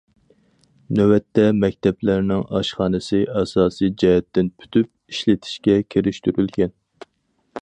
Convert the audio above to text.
نۆۋەتتە، مەكتەپلەرنىڭ ئاشخانىسى ئاساسىي جەھەتتىن پۈتۈپ، ئىشلىتىشكە كىرىشتۈرۈلگەن.